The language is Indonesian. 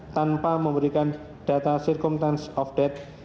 tanpa memberikan data circumtance of death